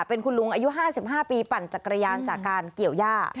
เป็นคุณลุงอายุ๕๕ปีปั่นจักรยานจากการเกี่ยวย่า